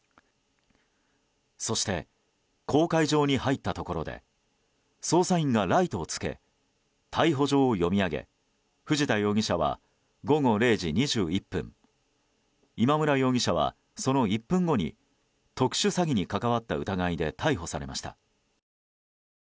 そして、公海上に入ったところで捜査員がライトをつけ逮捕状を読み上げ藤田容疑者は午後０時２１分今村容疑者は、その１分後に特殊詐欺に関わった疑いで逮捕されました。